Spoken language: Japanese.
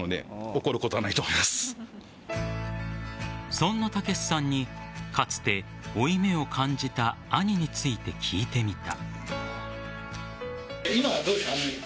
そんな剛さんにかつて、負い目を感じた兄について聞いてみた。